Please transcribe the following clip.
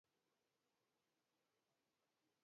Bere genero eta familian kide bakarra edo monotipikoa da.